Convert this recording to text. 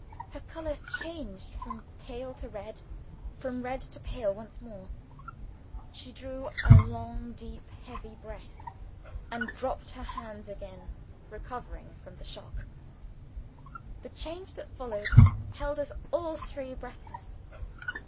Her color changed from pale to red from red to pale once more. She drew a long, deep, heavy breath and dropped her hands again, recovering from the shock. The change that followed, held us all three breathless.